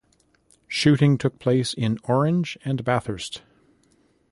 Shooting took place in Orange and Bathurst.